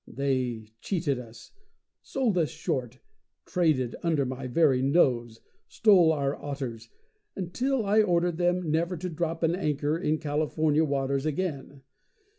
They cheated us, sold us short, traded under my very nose, stole our otters, until I ordered them never to drop an anchor in California waters again.